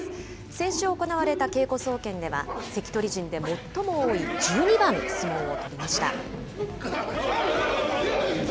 先週行われた稽古総見では、関取陣で最も多い１２番、相撲を取りました。